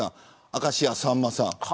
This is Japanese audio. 明石家さんまさん